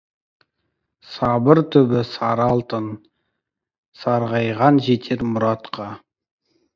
Сабыр түбі — сары алтын, сарғайған жетер мұратқа.